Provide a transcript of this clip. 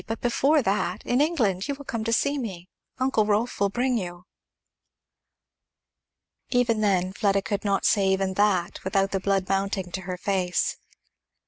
but before that in England you will come to see me Uncle Rolf will bring you." Even then Fleda could not say even that without the blood mounting to her face.